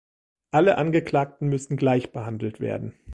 Alle Angeklagten müssen gleich behandelt werden.